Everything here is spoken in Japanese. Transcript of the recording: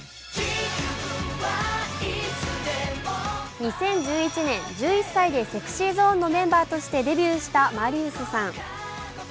２０１１年、１１歳でＳｅｘｙＺｏｎｅのメンバーとしてデビューしたマリウスさん。